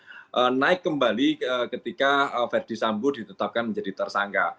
nah kemudian kemudian kembali ketika ferdi sambo ditetapkan menjadi tersangka